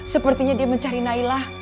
sepertinya dia mencari nailah